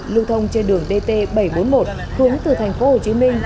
lưu thông trên đường dt bảy trăm bốn mươi một khuống từ thành phố hồ chí minh